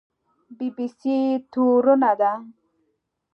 بي بي سي تورنه ده